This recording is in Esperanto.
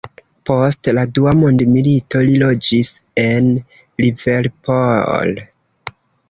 Post la dua mondmilito li loĝis en Liverpool.